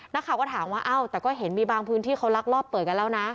นักข่าวก็ถามว่าเอ้าแต่ก็เห็นมีบางพื้นที่เขาลักลอบเปิดกันแล้วนะ